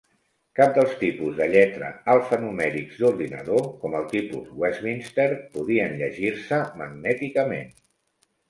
Cap dels tipus de lletra alfanumèrics "d'ordinador", com el tipus Westminster, podien llegir-se magnèticament.